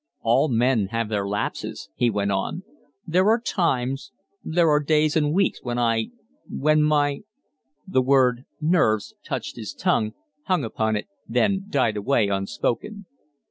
"All men have their lapses," he went on; "there are times there are days and weeks when I when my " The word "nerves" touched his tongue, hung upon it, then died away unspoken.